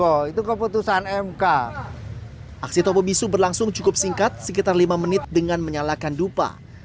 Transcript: aksi topo bisu berlangsung cukup singkat sekitar lima menit dengan menyalakan dupa